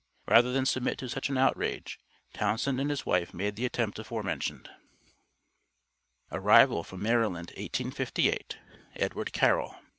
Rather than submit to such an outrage, Townsend and his wife made the attempt aforementioned. ARRIVAL FROM MARYLAND, 1858. EDWARD CARROLL.